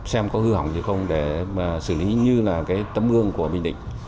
xem có hư hỏng gì không để mà xử lý như là cái tấm gương của bình định